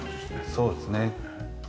そうですね。